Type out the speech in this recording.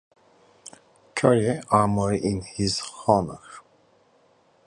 Currie Armoury in his honour.